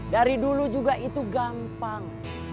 dari dulu juga itu gampang